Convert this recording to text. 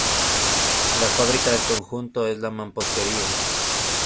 La fábrica del conjunto es de mampostería.